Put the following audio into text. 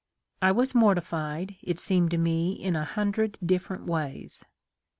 I was mortified, it seemed to me, in a hundred different ways.